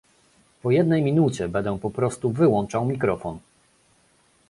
Po jednej minucie będę po prostu wyłączał mikrofon